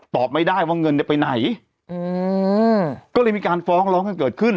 ตอบไม่ได้ว่าเงินเนี่ยไปไหนอืมก็เลยมีการฟ้องร้องกันเกิดขึ้น